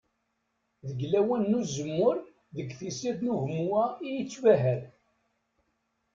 Deg lawan n uzemmur deg tissirt n ugummu-a i yettmahal.